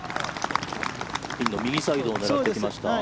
ピンの右サイドを狙ってきました。